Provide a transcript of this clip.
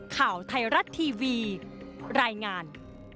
ข่าวไทยรัฐทีวีรายงาน